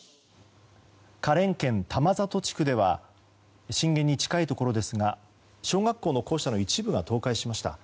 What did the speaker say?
花蓮県玉里地区では震源に近いところですが小学校の校舎の一部が倒壊しました。